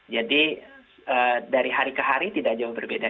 jadi dari hari ke hari tidak jauh berbeda